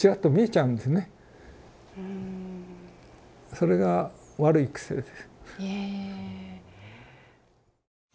それが悪い癖です。